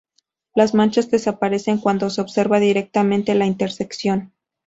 Las manchas desaparecen cuando se observa directamente la intersección.